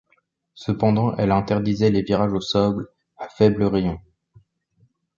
Cependant elle interdisait les virages au sol à faible rayon.